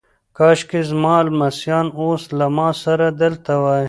کاشکي زما لمسیان اوس له ما سره دلته وای.